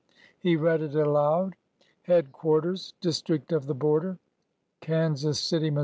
He read it aloud :" Headquarters District of the Border, " Kansas City, Mo.